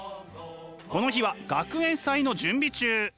この日は学園祭の準備中！